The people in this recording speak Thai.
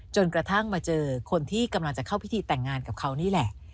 จนกระทั่งมาเจอคนที่กำลังจะเข้าพิธีแต่งงานกับเขานี่แหละ